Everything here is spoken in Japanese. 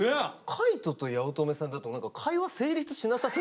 海人と八乙女さんだと何か会話成立しなさそうだけど。